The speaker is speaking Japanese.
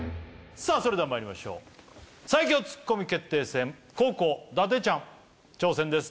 さあそれではまいりましょう最強ツッコミ決定戦後攻伊達ちゃん挑戦です